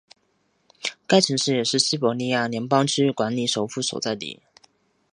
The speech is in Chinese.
该城市也是西伯利亚联邦管区的首府所在地。